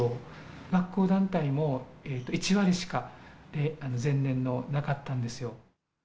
学校・団体も１割しか前年の、なかったんですよ。